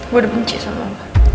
gue udah benci sama lo